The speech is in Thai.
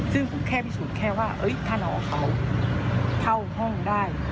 ซึ่งแค่พิสูจน์แค่ว่าถ้าน้องเขาเข้าห้องได้